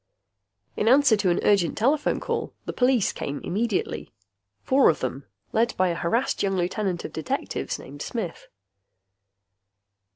In answer to an urgent telephone call, the police came immediately, four of them, led by a harassed young lieutenant of detectives named Smith.